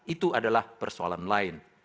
itu adalah persoalan lain